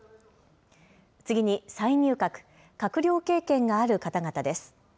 次に再入閣、閣僚経験がある方々です。